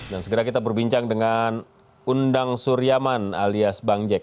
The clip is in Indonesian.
dan segera kita berbincang dengan undang suryaman alias bang jack